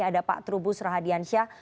ada pak trubus rahadiansyah